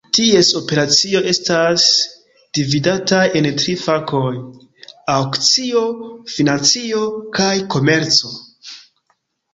Ties operacioj estas dividataj en tri fakoj: Aŭkcio, Financo, kaj Komerco.